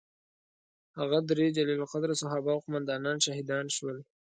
هغه درې جلیل القدره صحابه او قوماندانان شهیدان شول.